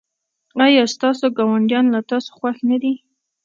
ایا ستاسو ګاونډیان له تاسو خوښ نه دي؟